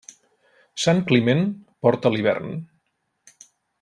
Sant Climent porta l'hivern.